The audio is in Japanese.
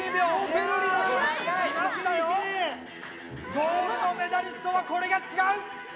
ゴールドメダリストはこれが違う！